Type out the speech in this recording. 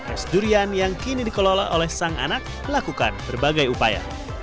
es durian yang kini dikelola oleh sang anak melakukan berbagai upaya